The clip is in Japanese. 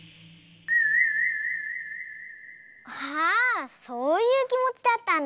ああそういうきもちだったんだ。